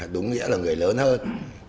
đúng nghĩa là người lớn hơn